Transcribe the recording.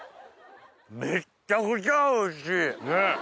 めっちゃくちゃおいしい。